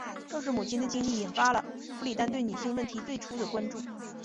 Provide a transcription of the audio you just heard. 正是母亲的经历引发了弗里丹对女性问题最初的关注。